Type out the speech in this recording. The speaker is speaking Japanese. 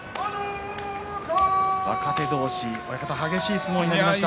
若手同士激しい相撲になりました。